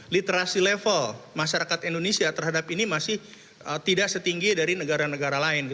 literasi level masyarakat indonesia terhadap ini masih tidak setinggi dari negara negara lain